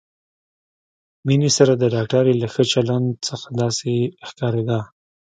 مينې سره د ډاکټرې له ښه چلند څخه داسې ښکارېده.